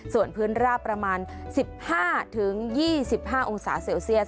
ส่วนพื้นราบประมาณสิบห้าถึงยี่สิบห้าองศาเซลเซียส